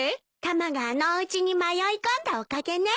タマがあのおうちに迷い込んだおかげね。